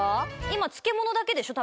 今漬物だけでしょ？